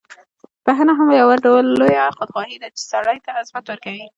بخښنه هم یو ډول لویه خودخواهي ده، چې سړی ته عظمت ورکوي.